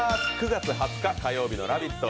９月２０日、火曜日の「ラヴィット！」